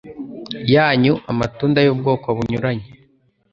yanyu amatunda y’ubwoko bunyuranye,